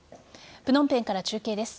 プノンペンから中継です。